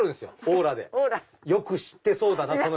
よく知ってそうだな